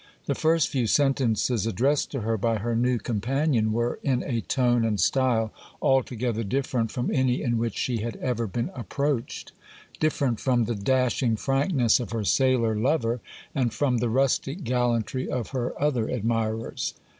The first few sentences addressed to her by her new companion were in a tone and style altogether different from any in which she had ever been approached—different from the dashing frankness of her sailor lover, and from the rustic gallantry of her other admirers.